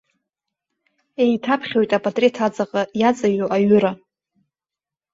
Еиҭаԥхьоит апатреҭ аҵаҟа иаҵаҩу аҩыра.